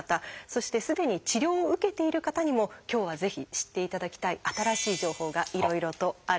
そしてすでに治療を受けている方にも今日はぜひ知っていただきたい新しい情報がいろいろとあるんです。